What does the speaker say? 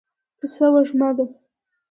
پسه وږمه ده.